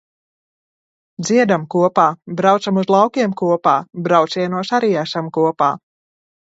Dziedam kopā, braucam uz laukiem kopā, braucienos arī esam kopā.